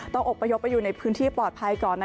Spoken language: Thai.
อบพยพไปอยู่ในพื้นที่ปลอดภัยก่อน